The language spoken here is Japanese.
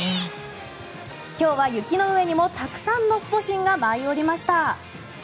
今日は雪の上にもたくさんのスポ神が舞い降りました。